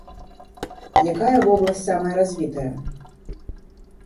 Якая вобласць самая развітая?